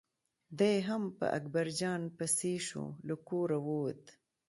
دی هم په اکبر جان پسې شو له کوره ووت.